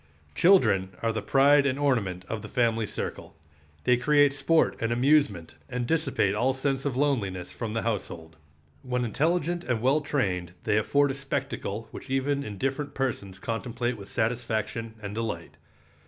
Children are the pride and ornament of the family circle. They create sport and amusement and dissipate all sense of loneliness from the household. When intelligent and well trained they afford a spectacle which even indifferent persons contemplate with satisfaction and delight.